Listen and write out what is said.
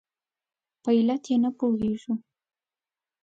په علت یې نه پوهېږو.